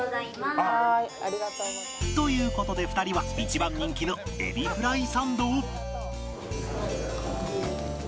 という事で２人は一番人気の海老フライサンドを